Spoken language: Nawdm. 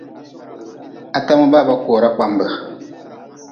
Atama baba kora kpambe.